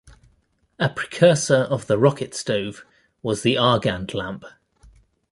A precursor of the rocket stove was the Argand lamp.